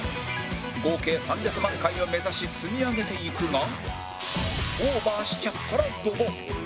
合計３００万回を目指し積み上げていくがオーバーしちゃったらドボン